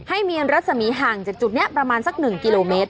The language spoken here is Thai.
ให้เมียรัฐสมีห่างจากจุดเนี้ยประมาณสักหนึ่งกิโลเมตร